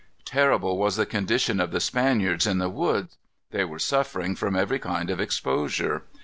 Terrible was the condition of the Spaniards in the woods. They were suffering from every kind of exposure.